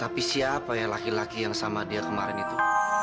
tapi siapa ya laki laki yang sama dia kemarin itu